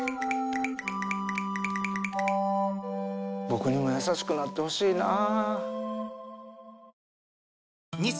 僕にも優しくなってほしいなぁ。